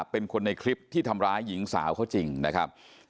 เป็นคนในคลิปที่ทำร้ายหญิงสาวเขาจริงนะครับ